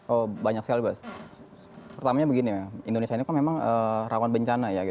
oh banyak sekali bas pertamanya begini indonesia ini memang rangkaian bencana ya